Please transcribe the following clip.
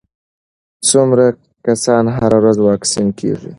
څومره کسان هره ورځ واکسین کېږي؟